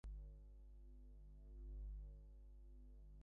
আমার স্বামী যে ওঁর পরম বন্ধু, আমি যে ওঁর ভাজের মতো।